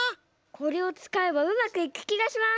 これをつかえばうまくいくきがします。